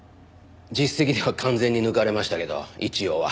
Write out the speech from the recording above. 実績では完全に抜かれましたけど一応は。